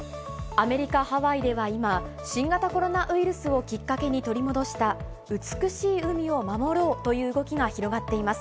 アメリカ・ハワイでは今、新型コロナウイルスをきっかけに取り戻した美しい海を守ろうという動きが広がっています。